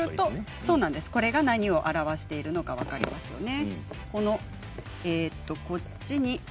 これが何を表しているのか分かりますね。